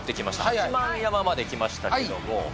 八幡山まで来ましたけれども。